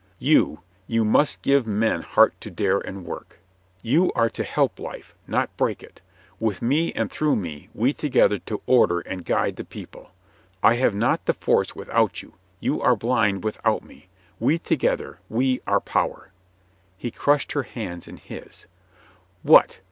"You! You must give men heart to dare and work. You are to help life, not break it. With me and through me, we together to order and guide the people. I have not the force without you, you are blind without me. We together, we are power." He crushed her hands in his. "What